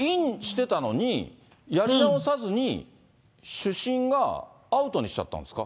やり直さずに、主審がアウトにしちゃったんですか？